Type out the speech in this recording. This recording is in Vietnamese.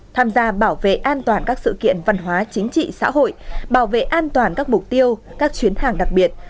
tham gia bảo vệ an toàn các sự kiện văn hóa chính trị xã hội bảo vệ an toàn các mục tiêu các chuyến hàng đặc biệt